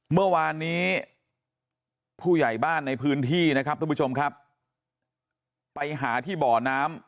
เมื่อวานนี้ผู้ใหญ่บ้านในพื้นที่นะครับทุกผู้ชมครับไปหาที่บ่อน้ำ